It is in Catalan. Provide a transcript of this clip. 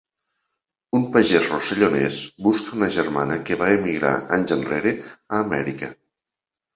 Un pagès rossellonès busca una germana que va emigrar anys enrere a Amèrica.